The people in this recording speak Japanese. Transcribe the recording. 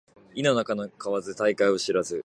井の中の蛙大海を知らず